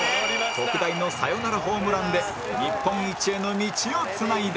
特大のサヨナラホームランで日本一への道をつないだ